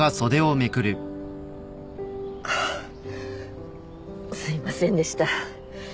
あっすいませんでした。